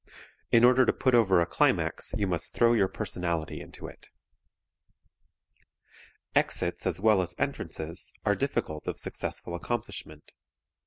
In order to put over a climax you must throw your personality into it. Exits as well as entrances are difficult of successful accomplishment.